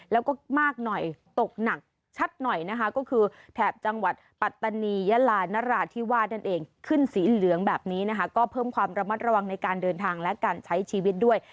แล้วก็มากหน่อยตกหนักชัดหน่อยนะคะก็คือแถบจังหวัดปัตตานียะลานราธิวาสนั่นเองขึ้นสีเหลืองแบบนี้นะคะก็เพิ่มความระมัดระวังในการเดินทางและการใช้ชีวิตด้วย